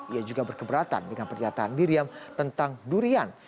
ia juga berkeberatan dengan pernyataan miriam tentang durian